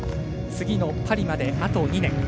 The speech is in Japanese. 次のパリまで、あと２年。